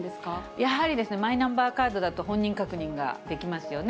やはりマイナンバーカードだと、本人確認ができますよね。